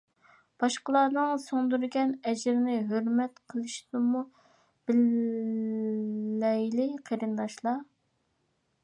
باشقىلارنىڭ سىڭدۈرگەن ئەجرىنى ھۆرمەت قىلىشنىمۇ بىلەيلى قېرىنداشلار!